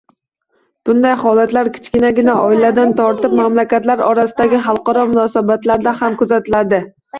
Bunday holatlar kichkinagina oiladan tortib mamlakatlar orasidagi xalqaro munosabatlarda ham kuzatiladi